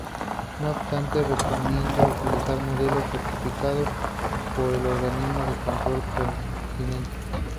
No obstante, se recomienda utilizar modelos certificados por el organismo de control pertinente.